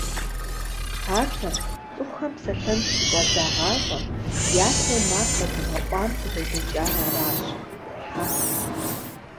Пасэм, цӀыхухэм псэлъэн щыщӀадзагъащӀэм, япэу макъ къэзыгъэӀуам къыжьэдэкӀар аращ – Хьэ.